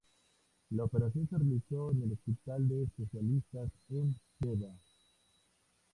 La operación se realizó en el hospital de especialistas en Yeda.